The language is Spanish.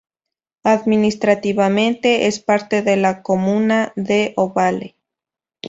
Administrativamente es parte de la comuna de Ovalle.